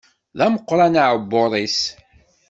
D ameqqran uɛebbuḍ-is.